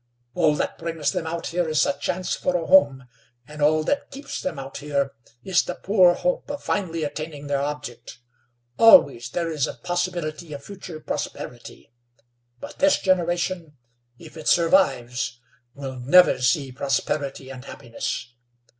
All that brings them out here is the chance for a home, and all that keeps them out here is the poor hope of finally attaining their object. Always there is a possibility of future prosperity. But this generation, if it survives, will never see prosperity and happiness.